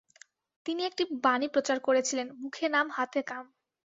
তিনি একটি বাণী প্রচার করেছিলেন 'মুখে নাম হাতে কাম'।